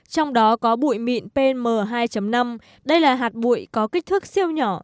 trong đó có bụi mịn pm hai năm đây là hạt bụi có kích thước siêu nhỏ